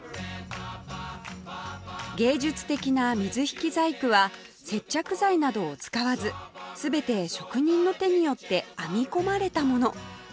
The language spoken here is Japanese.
芸術的な水引細工は接着剤などを使わず全て職人の手によって編み込まれたもの